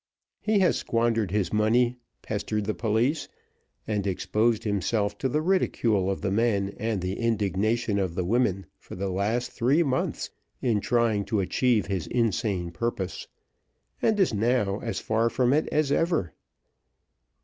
He has squandered his money, pestered the police, and exposed himself to the ridicule of the men and the indignation of the women for the last three months in trying to achieve his insane purpose, and is now as far from it as ever.